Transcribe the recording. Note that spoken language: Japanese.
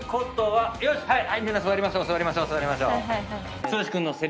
はい！